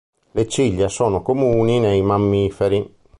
Le ciglia sono comuni nei mammiferi.